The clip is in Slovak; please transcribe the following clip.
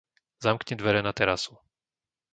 Zamkni dvere na terasu.